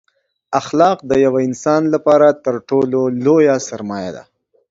اخلاق دیوه انسان لپاره تر ټولو لویه سرمایه ده